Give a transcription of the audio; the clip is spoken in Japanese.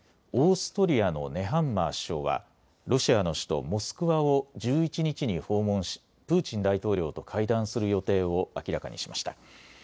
オーストリアのネハンマー首相はロシアの首都モスクワを１１日に訪問しプーチン大統領と会談する予定を明らかにしました。